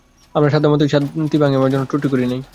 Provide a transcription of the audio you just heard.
আমার সাধ্যমত এই শান্তি ভাঙিবার জন্য ত্রুটি করি নাই।